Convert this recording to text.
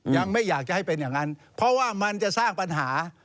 ยังไม่อยากจะให้เป็นอย่างนั้นเพราะว่ามันจะสร้างปัญหา